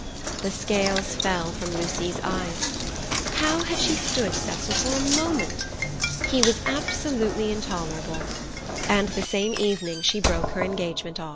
The scales fell from Lucy's eyes. How had she stood Cecil for a moment? He was absolutely intolerable, and the same evening she broke off her engagement.